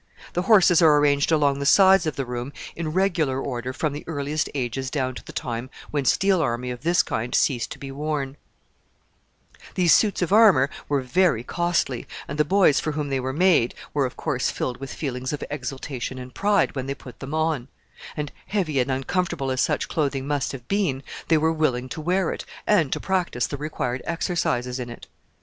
The horses are arranged along the sides of the room in regular order from the earliest ages down to the time when steel armor of this kind ceased to be worn. [Illustration: THE OLD QUINTAINE] These suits of armor were very costly, and the boys for whom they were made were, of course, filled with feelings of exultation and pride when they put them on; and, heavy and uncomfortable as such clothing must have been, they were willing to wear it, and to practice the required exercises in it.